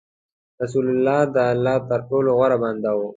رسول الله د الله تر ټولو غوره بنده و.